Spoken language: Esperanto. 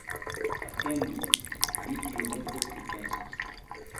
Atendu, mi iomete pripensos!